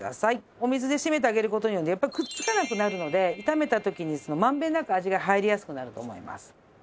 お水で締めてあげる事によってやっぱりくっつかなくなるので炒めた時にまんべんなく味が入りやすくなると思います。